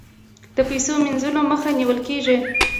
د پیسو مینځلو مخه نیول کیږي